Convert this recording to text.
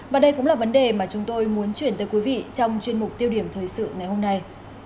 và đây cũng là vấn đề mà chúng tôi muốn chuyển tới quý vị trong chuyên mục tiêu điểm thời sự ngày hôm nay